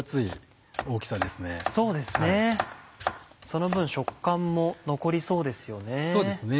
その分食感も残りそうですよね。